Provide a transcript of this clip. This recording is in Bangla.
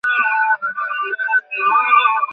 কিন্তু ওরা তাদের সাথে বিশ্বাসঘাতকতা করেছিল।